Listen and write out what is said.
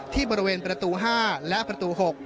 ที่บริเวณประตู๕และประตู๖